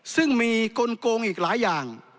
ซึ่งมีกลงอีกหลายอย่าง